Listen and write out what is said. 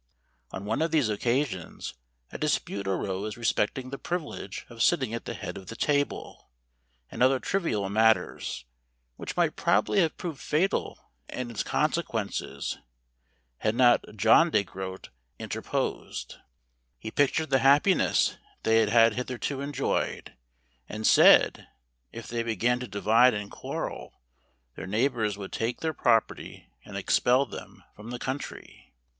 On one of these occa¬ sions a dispute arose respecting the privilege of sitting at the head of the table, and other trivial matters, which might probably have proved fatal in its consequences, had not John de Groat inter¬ posed : he pictured the happiness they had hi¬ therto enjoyed, and said, if they began to divide ana quarrel, their neighbours would take their property, and expel them from the country.